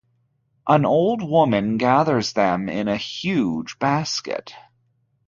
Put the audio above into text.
An old woman gathers them in a huge basket.